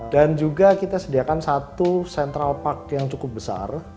dan juga kita sediakan satu central park yang cukup besar